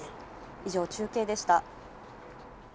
以上、中継でした。